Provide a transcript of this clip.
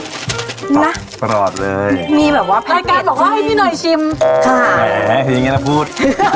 มีแบบว่ารายการบอกว่าให้พี่หน่อยชิมค่ะแหละอย่างเงี้ยน่ะพูด